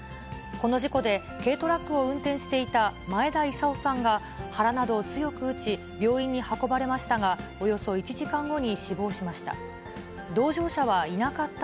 この事故で軽トラックを運転していた前田勲さんが、腹などを強く打ち、病院に運ばれましたが、およそ１時間後に死亡しました。